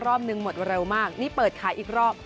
รอบนึงหมดเร็วมากนี่เปิดขายอีกรอบ